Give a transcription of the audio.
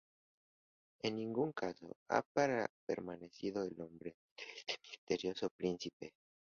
En ningún caso ha permanecido el nombre de este misterioso príncipe.